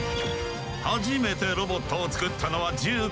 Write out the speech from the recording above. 初めてロボットを作ったのは１５歳のとき。